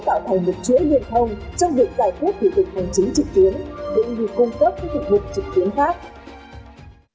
đối với cung cấp thủ tục trực tuyến khác